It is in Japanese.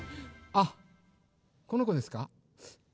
あっこのこですか？